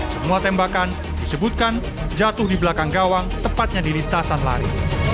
semua tembakan disebutkan jatuh di belakang gawang tepatnya di lintasan lari